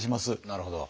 なるほど。